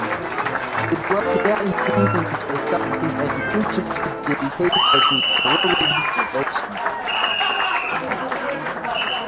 It was their intention to establish an institute dedicated to terrorism prevention.